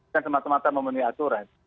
dan semata mata memenuhi aturan